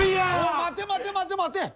お待て待て待て待て！